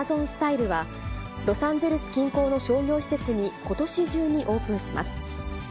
スタイルは、ロサンゼルス近郊の商業施設に、ことし中にオープンします。